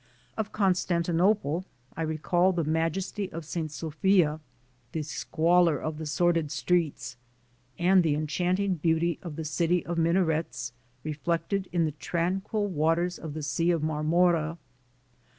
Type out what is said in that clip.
Of Constantinople I recall the majesty of St. Sophia, the squalor of the sordid streets and the enchanting beauty of the city of min arets reflected in the tranquil waters of the Sea of Marmora.